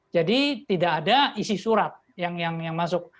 jadi tidak ada isi surat yang masuk